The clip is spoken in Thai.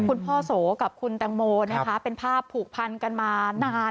คุณพ่อโสกับคุณแตงโมนะคะเป็นภาพผูกพันกันมานาน